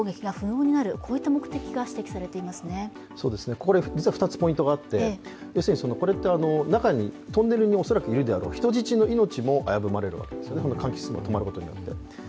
これ、実は２つポイントがあって、中に、トンネルに恐らくいるであろう、人質の命も危ぶまれるわけです、換気機能が止まることによって。